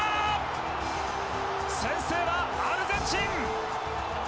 先制はアルゼンチン！